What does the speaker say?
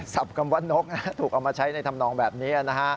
คำว่านกถูกเอามาใช้ในธรรมนองแบบนี้นะฮะ